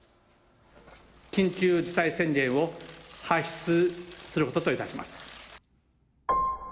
緊急事態宣言を発出することといたします。